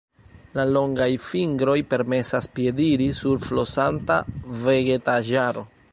La longaj fingroj permesas piediri sur flosanta vegetaĵaro.